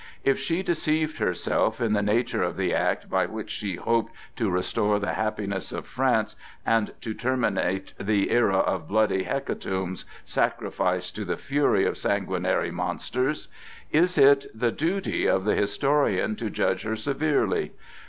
If she deceived herself in the nature of the act by which she hoped to restore the happiness of France and to terminate the era of bloody hecatombs sacrificed to the fury of sanguinary monsters, is it the duty of the historian to judge her severely?